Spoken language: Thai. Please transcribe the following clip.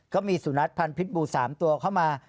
ก็มีสุนัขพันธ์พิษบู๓ตัวเข้ามา